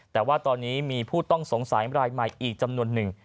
แต่ว่าตอนนี้มีผู้ต้องสงสัยรายใหม่อีกจำนวนหนึ่ง